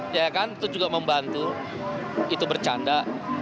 ya kan itu juga membantu itu bercanda